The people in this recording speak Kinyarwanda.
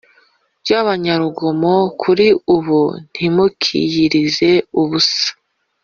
By abanyarugomo kuri ubu ntimukiyiriza ubusa